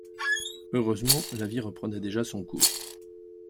Heureusement, la vie reprenait déjà son cours